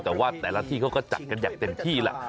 แต่ว่าแต่ละที่เขาก็จัดกันอย่างเต็มที่แหละ